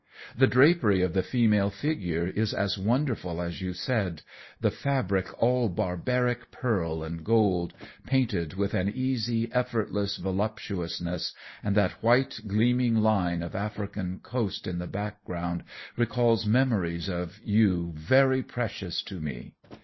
The drapery of the female figure is as wonderful as you said; the fabric all barbaric pearl and gold, painted with an easy, effortless voluptuousness, and that white, gleaming line of African coast in the background recalls memories of you very precious to me.